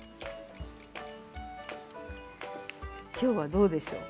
きょうはどうでしょう？